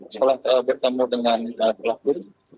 setelah bertemu dengan pelaku